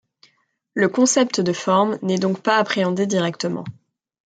Le concept de forme n'est donc pas appréhendé directement.